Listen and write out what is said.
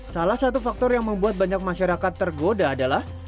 salah satu faktor yang membuat banyak masyarakat tergoda adalah